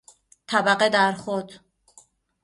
طبقه در خود